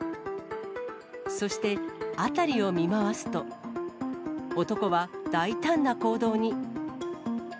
そして辺りを見回すと、男は大胆な行動に。